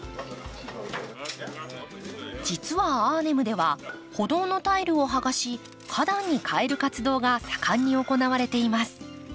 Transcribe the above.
実はアーネムでは歩道のタイルを剥がし花壇に替える活動が盛んに行われています。